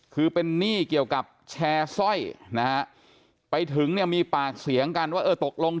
คือเป็นหนี้เกี่ยวกับแชร์สร้อยไปถึงมีปากเสียงกันว่าตกลง๗๐๐๐๐